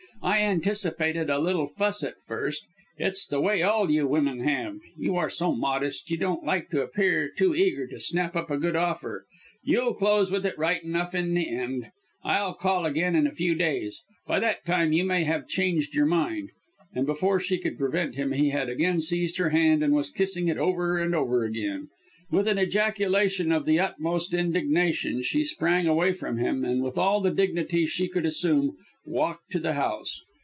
I anticipated a little fuss at first it's the way all you women have you are so modest, you don't like to appear too eager to snap up a good offer. You'll close with it right enough in the end. I'll call again in a few days. By that time you may have changed your mind." And, before she could prevent him, he had again seized her hand and was kissing it over and over again. With an ejaculation of the utmost indignation, she sprang away from him, and with all the dignity she could assume, walked to the house.